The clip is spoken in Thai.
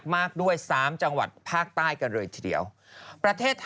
ทำไมว่าผิวเรื่อนอย่างนี้